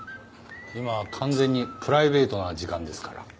今は完全にプライベートな時間ですから。